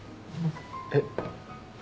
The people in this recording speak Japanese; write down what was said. えっ？